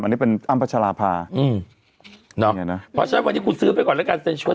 อันนี้เป็นอ้ำปัจจารภาพนะคะคุณซื้อไปก่อนแล้วกันเซ็นชวส